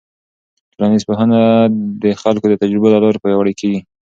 ټولنیز پوهه د خلکو د تجربو له لارې پیاوړې کېږي.